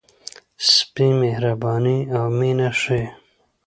سپي مهرباني او مینه ښيي.